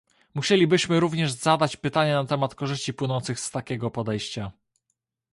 Musielibyśmy również zadać pytanie na temat korzyści płynących z takiego podejścia